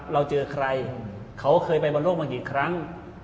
เราเจอใครเขาเคยไปบอลโลกมากี่ครั้ง